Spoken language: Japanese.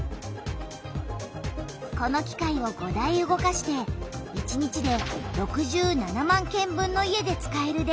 この機械を５台動かして１日で６７万軒分の家で使える電気をつくっている。